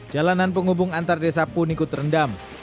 jalanan penghubung antar desa pun ikut terendam